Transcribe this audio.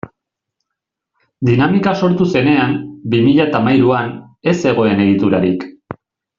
Dinamika sortu zenean, bi mila hamahiruan, ez zegoen egiturarik.